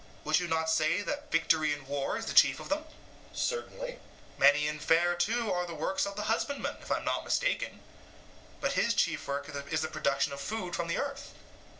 Would you not say that victory in war is the chief of them? EUTHYPHRO: Certainly. SOCRATES: Many and fair, too, are the works of the husbandman, if I am not mistaken; but his chief work is the production of food from the earth?